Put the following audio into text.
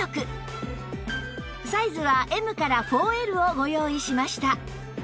サイズは Ｍ から ４Ｌ をご用意しました